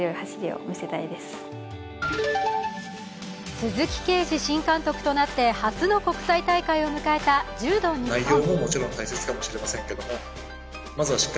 鈴木桂治新監督となった初の国際大会を迎えた柔道ニッポン。